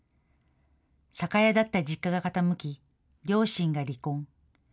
酒屋だった実家が傾き、両親が離婚。